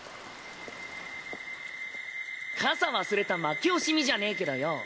傘忘れた負け惜しみじゃねぇけどよ